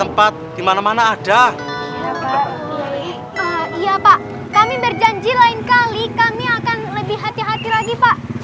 tempat dimana mana ada iya pak kami berjanji lain kali kami akan lebih hati hati lagi pak